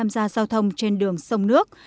giao thông trên đường sông nước